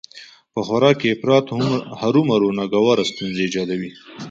په خوراک کې افراط هرومرو ناګواره ستونزې ايجادوي